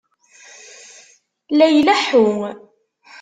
La ileḥḥu.